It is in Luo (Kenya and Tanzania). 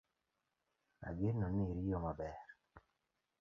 Ageno ni riyo maber